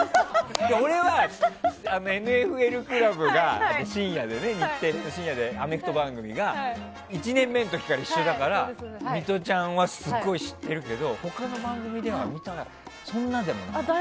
俺は「ＮＦＬ倶楽部」が深夜で、アメフト番組が１年目の時から一緒だからミトちゃんはすごい知ってるけど他の番組ではそんなでもなかった。